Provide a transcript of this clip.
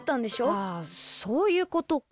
あそういうことか。